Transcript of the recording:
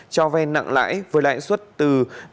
cho vay nặng lãi với lãi xuất từ